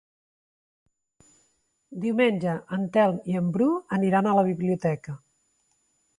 Diumenge en Telm i en Bru aniran a la biblioteca.